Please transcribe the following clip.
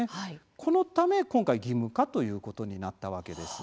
このため今回、義務化ということになったわけです。